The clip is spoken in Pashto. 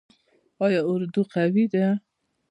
آیا اردو قوي ده؟